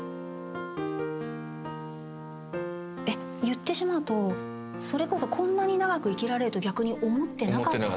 言ってしまうとそれこそこんなに長く生きられると逆に思ってなかった。